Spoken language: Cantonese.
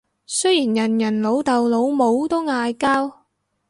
雖然人人老豆老母都嗌交